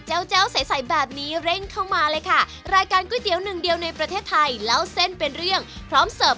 อาจจะเป็นที่ปลาหมึกกรอบ